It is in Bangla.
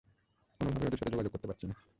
কোনোভাবেই ওদের সাথে যোগাযোগ করতে পারছি না।